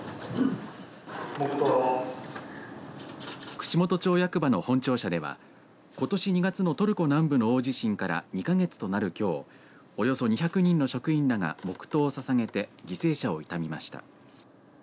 串本町役場の本庁舎ではことし２月のトルコ南部の大地震から２か月となるきょうおよそ２００人の職員らが黙とうをささげて犠牲者を悼みました。